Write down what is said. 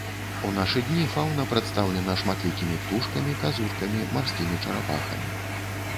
У нашы дні фаўна прадстаўлена шматлікімі птушкамі, казуркамі, марскімі чарапахамі.